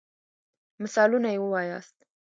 مثالونه يي ووایاست.